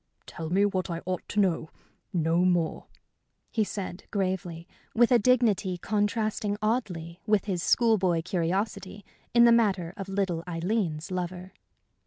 "Tell me what I ought to know no more," he said, gravely, with a dignity contrasting oddly with his school boy curiosity in the matter of little Aileen's lover.